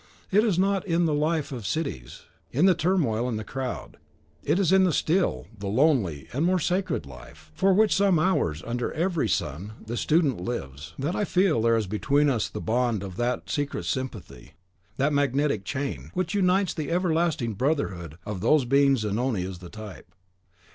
It is not in the life of cities, in the turmoil and the crowd; it is in the still, the lonely, and more sacred life, which for some hours, under every sun, the student lives (his stolen retreat from the Agora to the Cave), that I feel there is between us the bond of that secret sympathy, that magnetic chain, which unites the everlasting brotherhood of whose being Zanoni is the type.